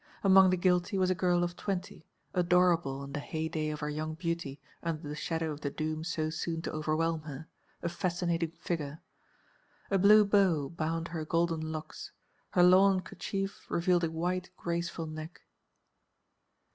Among the guilty was a girl of twenty, adorable in the heyday of her young beauty under the shadow of the doom so soon to overwhelm her, a fascinating figure. A blue bow bound her golden locks, her lawn kerchief revealed a white, graceful neck.